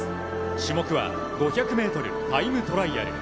種目は５００ｍタイムトライアル。